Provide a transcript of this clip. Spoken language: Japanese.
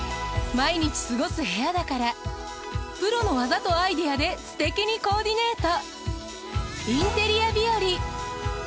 毎日過ごす部屋だからプロの技とアイデアですてきにコーディネート。